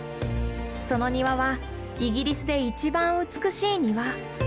その庭はイギリスで一番美しい庭。